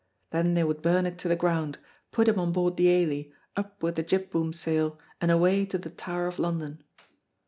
Then they would burn it to the ground, put him on board the Ailie, up with the jib boom sail, and away to the Tower of London.